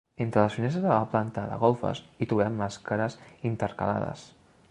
Entre les finestres de la planta de golfes hi trobem màscares intercalades.